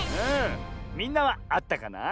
みんなはあったかな？